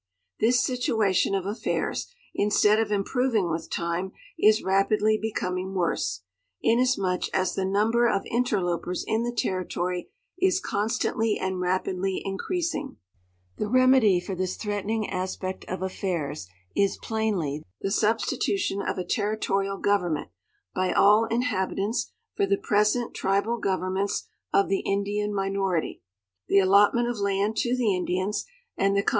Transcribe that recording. This situation of affairs, instead of improving with time, is rapidly becoming worse, inasmuch as the number of interlopers in the Territoiy is constantly and rapidly increasing. The remedy OUTLI.NE .MAP OF INDIAN TERRITORY, SHOWING PROGRESS OF SUHDIVISION SURVEY UP TO JANUARY I, 1896. for this threatening aspect of affairs is plainly the substitution of a territorial government by all inhabitants for the present tribal governments of the Indian minority, the allotment of land to the Indians, and the con.